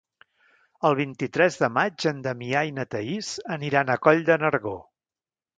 El vint-i-tres de maig en Damià i na Thaís aniran a Coll de Nargó.